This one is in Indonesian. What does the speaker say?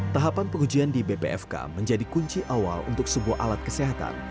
tahapan pengujian di bpfk menjadi kunci awal untuk sebuah alat kesehatan